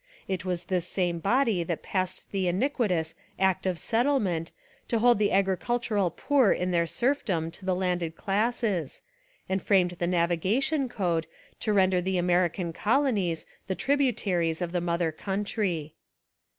It was this same body that passed the iniquitous Act of Settle ment to hold the agricultural poor in their serf dom to the landed classes, and framed the 298 A Rehabilitation of Charles II Navigation Code to render the American Colo nies the tributaries of the mother country.